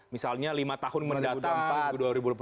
misalnya lima tahun mendatang